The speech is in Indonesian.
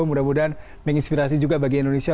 mudah mudahan menginspirasi juga bagi indonesia